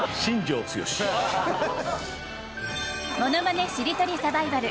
ものまねしりとりサバイバル